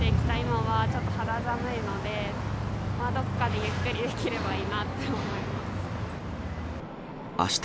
今は、ちょっと肌寒いので、どこかでゆっくりできればいいなと思います。